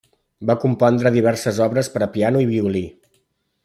Va compondre diverses obres per a piano i violí.